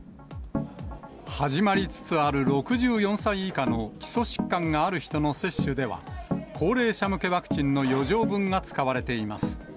始まりつつある６４歳以下の基礎疾患がある人の接種では、高齢者向けワクチンの余剰分が使われています。